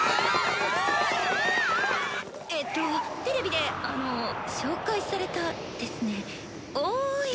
えっとテレビであの紹介されたですねおい。